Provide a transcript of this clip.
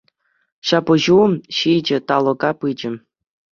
Ҫапӑҫу ҫичӗ талӑка пычӗ.